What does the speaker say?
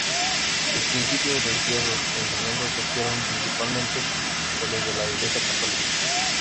Sus principios religiosos y enseñanzas surgieron principalmente de los de la Iglesia católica.